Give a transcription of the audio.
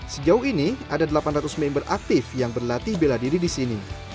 sejauh ini ada delapan ratus member aktif yang berlatih bela diri di sini